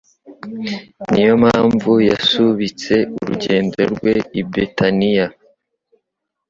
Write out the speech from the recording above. Niyo mpamvu yasubitse urugendo rwe i Betaniya.